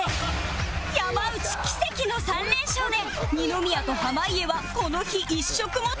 山内奇跡の３連勝で二宮と濱家はこの日１食も食べられず